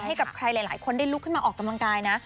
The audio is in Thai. ให้กับใครหลายคนได้ลุกขึ้นมาออกกำลังกายนะ